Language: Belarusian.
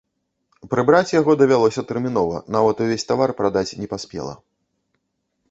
Прыбіраць яго давялося тэрмінова, нават увесь тавар прадаць не паспела.